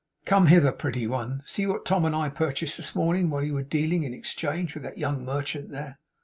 Come hither, pretty one. See what Tom and I purchased this morning, while you were dealing in exchange with that young merchant there.